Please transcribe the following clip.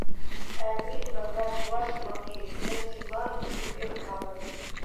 Аякри тӑрӑхра чӑваш сӑмахне илтсен Светлана куҫҫульпех макӑрнӑ.